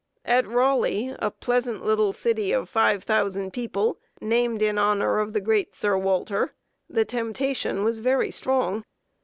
At Raleigh, a pleasant little city of five thousand people, named in honor of the great Sir Walter, the temptation was very strong.